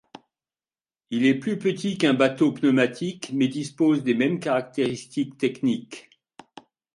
Il est plus petit qu'un bateau pneumatique mais dispose des mêmes caractéristiques techniques.